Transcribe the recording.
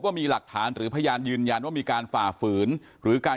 ว่ามีหลักฐานหรือพยานยืนยันว่ามีการฝ่าฝืนหรือการ